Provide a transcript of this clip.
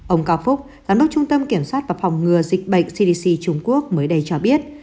ông cao phúc giám đốc trung tâm kiểm soát và phòng ngừa dịch bệnh cdc trung quốc mới đây cho biết